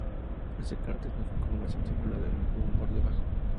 Este cráter es una formación circular con un borde bajo.